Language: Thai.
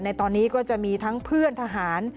ในตอนนี้ก็จะมีทั้งเพื่อนทหาร